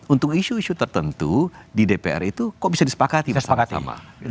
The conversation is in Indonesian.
untuk isu isu tertentu di dpr itu kok bisa disepakati bersama sama